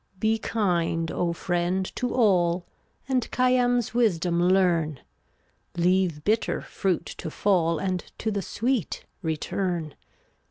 375 Be kind, O friend to all, And Khayyam's wisdom learn; Leave bitter fruit to fall And to the sweet return.